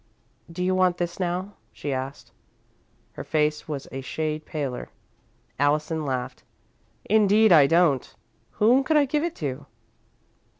"Do you want this now?" she asked. Her face was a shade paler. Allison laughed. "Indeed I don't. Whom could I give it to?"